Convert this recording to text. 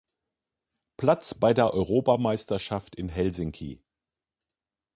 Platz bei der Europameisterschaft in Helsinki.